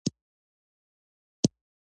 په زلزله کې زیاتره غریب او بې وسه خلک مړه کیږي